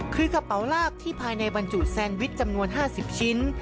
คือกระเป๋าลาบที่ภายในบรรจุแซนวิชจำนวน๕๐ชิ้น